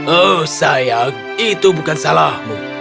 oh sayang itu bukan salahmu